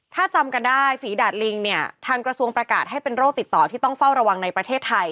ถ้าจำกันได้ฝีดาดลิงเนี่ยทางกระทรวงประกาศให้เป็นโรคติดต่อที่ต้องเฝ้าระวังในประเทศไทย